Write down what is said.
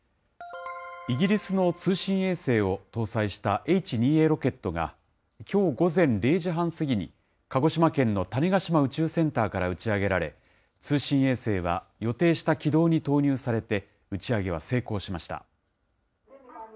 イギリスの通信衛星を搭載したＨ２Ａロケットが、きょう午前０時半過ぎに、鹿児島県の種子島宇宙センターから打ち上げられ、通信衛星は予定した軌道に投入されて、打ち上げは成功しました。